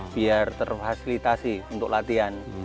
biar terfasilitasi untuk latihan